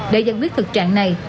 để giải quyết thực trạng này